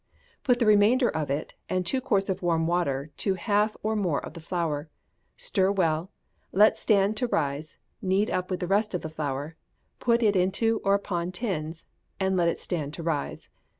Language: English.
Put the remainder of it, and two quarts of warm water, to half or more of the flour; stir well, let it stand to rise, knead up with the rest of the flour, put it into or upon tins, and let it stand to rise.